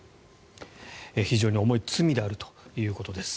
非常に重い罪であるということです。